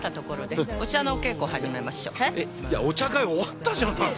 いやお茶会終わったじゃない。